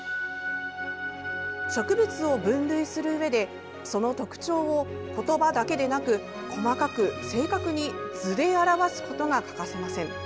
植物を分類するうえでその特徴を言葉だけでなく細かく正確に図で表すことが欠かせません。